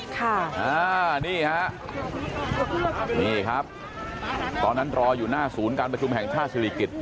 ค่ะอ่านี่ฮะนี่ครับตอนนั้นรออยู่หน้าศูนย์การประชุมแห่งชาติศิริกิจ